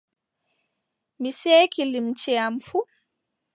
Mi seeki limce am fuu.